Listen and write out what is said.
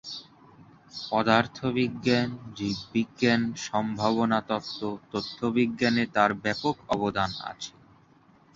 পদার্থবিজ্ঞান, জীববিজ্ঞান, সম্ভাবনা তত্ত্ব, তথ্য বিজ্ঞানে তার ব্যাপক অবদান আছে।